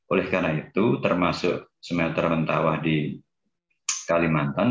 oleh karena itu termasuk smelter mentawa di kalimantan